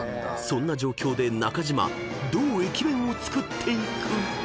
［そんな状況で中島どう駅弁を作っていく？］